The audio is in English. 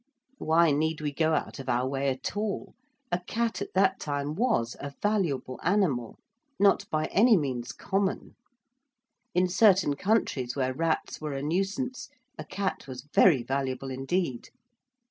Why need we go out of our way at all? A cat at that time was a valuable animal: not by any means common: in certain countries where rats were a nuisance a cat was very valuable indeed.